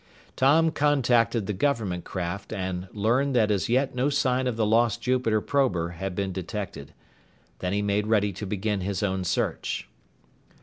Tom contacted the government craft and learned that as yet no sign of the lost Jupiter prober had been detected. Then he made ready to begin his own search.